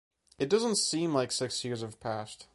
It doesn’t seem like six years have passed.